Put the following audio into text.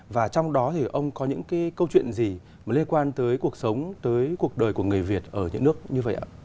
và trong đó thì ông có những cái câu chuyện gì mà liên quan tới cuộc sống tới cuộc đời của người việt ở những nước như vậy ạ